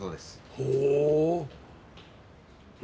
ほう。